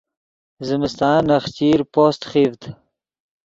زمستان نخچیر پوست خیڤد